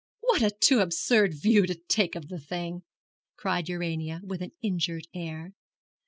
'What a too absurd view to take of the thing!' cried Urania, with an injured air.